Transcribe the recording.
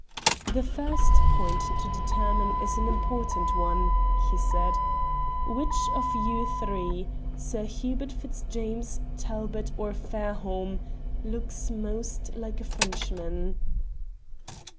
"The first point to determine is an important one," he said. "Which of you three Sir Hubert Fitzjames, Talbot, or Fairholme looks most like a Frenchman?"